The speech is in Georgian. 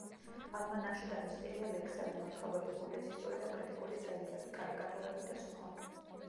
ალმანახში დაბეჭდილია ლექსები, მოთხრობები, პუბლიცისტური და კრიტიკული წერილები, კარიკატურები და სხვა.